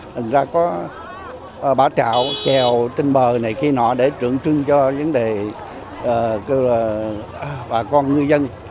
thành ra có bã trạo kèo trên bờ này khi nọ để trưởng trưng cho vấn đề bà con ngư dân